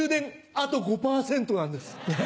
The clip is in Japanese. あと５％なんです。